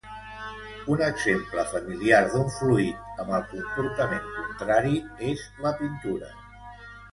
Un exemple familiar d'un fluid amb el comportament contrari és la pintura.